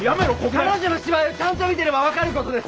彼女の芝居をちゃんと見てれば分かることです。